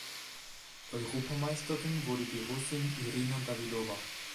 Europameisterin wurde die Russin Irina Dawydowa.